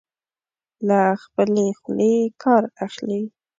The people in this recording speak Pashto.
له خپلې خولې کار اخلي.